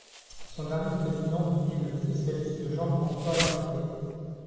Son dernier président est le socialiste Jean-François Macaire.